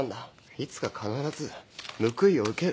いつか必ず報いを受ける。